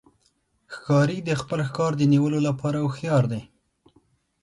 ښکاري د خپل ښکار د نیولو لپاره هوښیار دی.